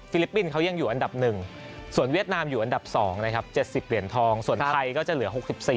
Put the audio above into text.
ลิปปินส์เขายังอยู่อันดับ๑ส่วนเวียดนามอยู่อันดับ๒นะครับ๗๐เหรียญทองส่วนไทยก็จะเหลือ๖๔